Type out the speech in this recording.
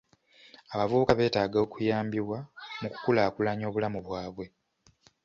Abavubuka beetaaga okuyambibwa mu kukulaakulanya obulamu bwabwe